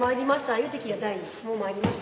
言うてきや大にもうまいりました